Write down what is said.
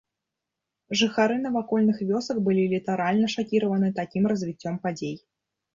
Жыхары навакольных вёсак былі літаральна шакіраваны такім развіццём падзей.